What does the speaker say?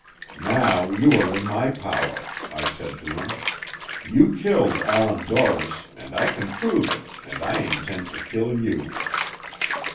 "'Now you are in my power,' I said to him. 'You killed Allan Dorris, and I can prove it, and I intend to kill you.'